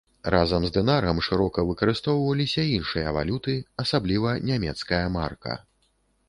Разам з дынарам шырока выкарыстоўваліся іншыя валюты, асабліва нямецкая марка.